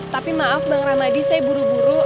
tapi maaf bang ramadi saya buru buru